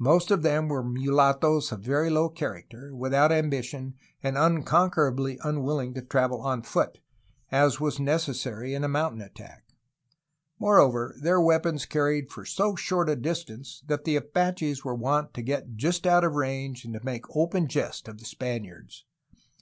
Most of them were mulat toes of very low character, without ambition, and unconquerably unwilling to travel on foot, as was necessary in a mountain attack. Moreover, their weapons carried so short a distance that the Apaches were wont to get just out of range and to make open jest of the Spaniards.